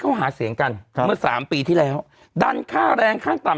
เขาหาเสียงกันเมื่อสามปีที่แล้วดันค่าแรงขั้นต่ำ